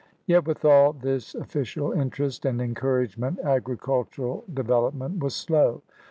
Yet with all this o£Scial interest and encourage ment agricultural development was slow.